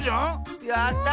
やった！